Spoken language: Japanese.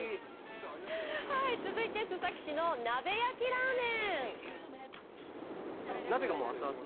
続いて須崎市の鍋焼きラーメン。